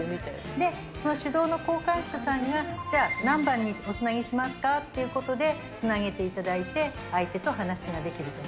で、その手動の交換手さんが、じゃあ、何番におつなぎしますかっていうことで、つなげていただいて、相手と話ができると。